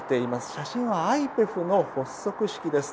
写真はＩＰＥＦの発足式です。